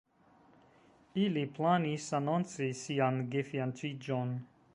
Ili planis anonci sian gefianĉiĝon.